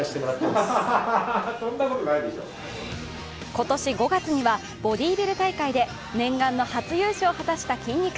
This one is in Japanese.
今年５月にはボディービル大会で念願の初優勝を果たしたきんに君。